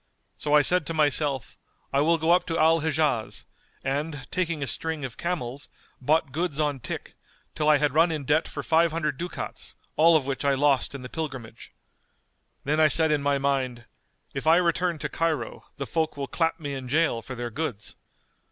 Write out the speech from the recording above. So I said to myself:—I will go up to Al Hijaz; and, taking a string of camels, bought goods on tick, till I had run in debt for five hundred ducats, all of which I lost in the pilgrimage. Then I said in my mind:—If I return to Cairo the folk will clap me in jail for their goods.